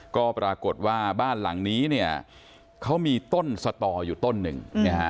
ก็ปรากฏว่าบ้านหลังนี้เนี่ยเขามีต้นสตออยู่ต้นหนึ่ง